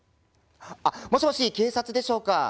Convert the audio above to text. あっもしもし警察でしょうか。